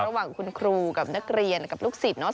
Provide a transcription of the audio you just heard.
ระหว่างคุณครูกับนักเรียนกับลูกศิษย์เนาะ